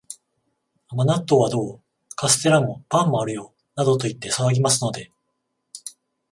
甘納豆はどう？カステラも、パンもあるよ、などと言って騒ぎますので、